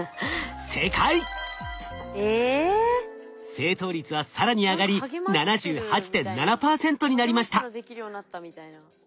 正答率は更に上がり７８．７％になりました。